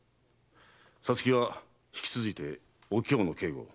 皐月は引き続いてお杏の警護を。